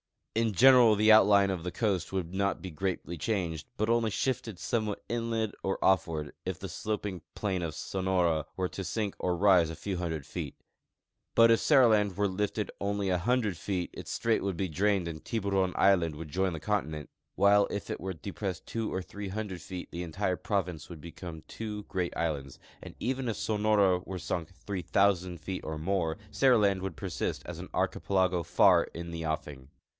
In general the outline of the coast Avould not be greatly changed, but only shifted somewhat inland or offAvard, if the sloping plain of Sonora Avere to sink or rise a few hundred feet ; but if Seriland Avere lifted only a hundred feet its strait Avould be drained and Tiburon island Avould join the continent, Avhile if it Avere depressed tAvo or three hundred feet the entire province Avould become Iavo great islands, and even if Sonora Avere sunk 3,000 feet or more Seriland Avould persist as an archipelago far in the offing.